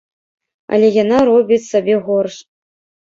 Але яна робіць сабе горш.